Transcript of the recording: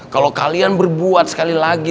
kalau kalian berbuat sekali lagi